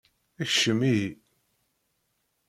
Kcem ihi.